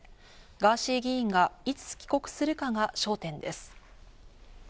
ガーシー議員が、いつ帰国するかが焦点です。